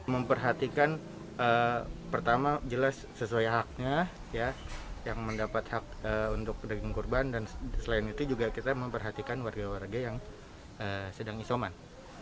memperhatikan pertama jelas sesuai haknya yang mendapat hak untuk daging kurban dan selain itu juga kita memperhatikan warga warga yang sedang isoman